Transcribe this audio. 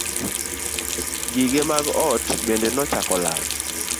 Gige mag ot bende nochako lal.